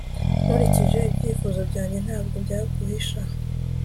Nkurikije ibyifuzo byanjye ntabwo byaguhisha